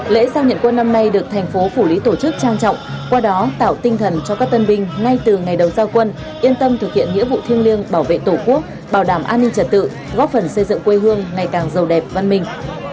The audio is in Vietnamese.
lễ giao nhận quân năm nay được thành phố phủ lý tổ chức trang trọng qua đó tạo tinh thần cho các tân binh ngay từ ngày đầu giao quân yên tâm thực hiện nghĩa vụ thiêng liêng bảo vệ tổ quốc bảo đảm an ninh trật tự góp phần xây dựng quê hương ngày càng giàu đẹp văn minh